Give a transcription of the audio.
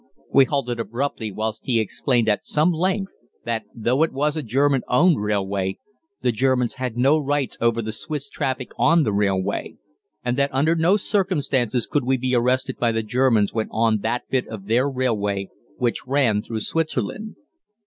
We halted abruptly whilst he explained at some length that, though it was a German owned railway, the Germans had no rights over the Swiss traffic on the railway, and that under no circumstances could we be arrested by the Germans when on that bit of their railway which ran through Switzerland.